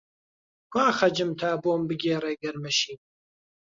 کوا «خەج»م تا بۆم بگێڕێ گەرمە شین؟!